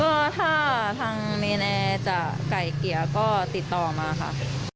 ก็ถ้าทางเมนแอร์จะไก่เกลี่ยก็ติดต่อมาค่ะ